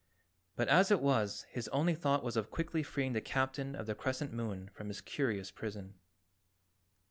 But as it was, his only thought was of quickly freeing the Captain of the Crescent Moon from his curious prison.